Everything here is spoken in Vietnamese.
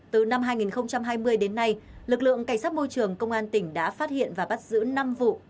từ năm hai nghìn hai mươi đến nay lực lượng cảnh sát môi trường công an tỉnh đã phát hiện và bắt giữ năm vụ